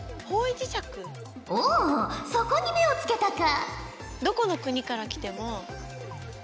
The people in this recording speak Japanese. おおそこに目をつけたか！